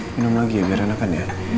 minum lagi biar enakan ya